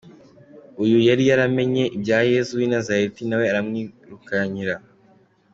Uyu yari yaramenye ibya Yesu w’i Nazareti nawe aramwirukankira.